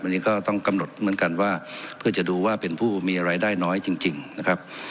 อันนี้ก็ต้องกำหนดเหมือนกันว่าเพื่อจะดูว่าเป็นผู้มีรายได้น้อยจริงนะครับ